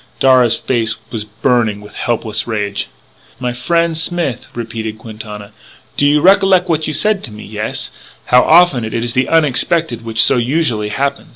Darragh's face was burning with helpless rage. "My frien', Smith," repeated Quintana, "do you recollec' what it was you say to me? Yes?... How often it is the onexpected which so usually happen?